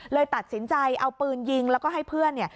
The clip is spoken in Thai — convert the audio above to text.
เลยตัดสินใจเอาปืนยิงแล้วก็ให้เพื่อนเนี่ย